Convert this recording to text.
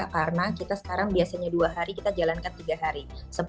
karena kita sekarang biasanya dua hari kita jalankan tiga hari